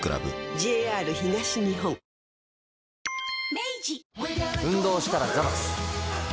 明治運動したらザバス。